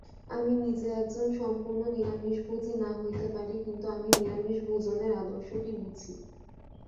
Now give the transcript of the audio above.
আমি নিজে একজন সম্পূর্ণ নিরামিষভোজী না হইতে পারি, কিন্তু আমি নিরামিষ-ভোজনের আদর্শটি বুঝি।